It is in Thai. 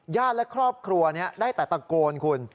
และครอบครัวได้แต่ตะโกนคุณ